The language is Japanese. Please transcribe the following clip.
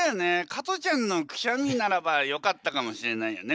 加トちゃんのくしゃみならばよかったかもしれないよね。